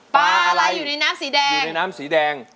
ปลาอะไรอยู่ในน้ำสีแดง